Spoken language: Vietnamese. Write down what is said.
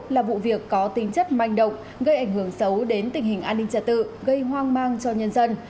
là vụ việc có tính chất manh động gây ảnh hưởng xấu đến tình hình an ninh trật tự gây hoang mang cho nhân dân